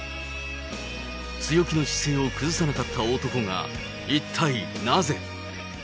強気の姿勢を崩さなかった男が、一体、なぜ。